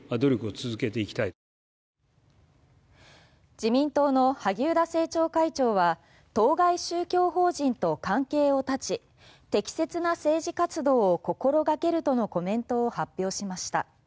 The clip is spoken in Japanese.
自民党の萩生田政調会長は当該宗教法人と関係を断ち適切な政治活動を心がけるとのコメントを発表しました。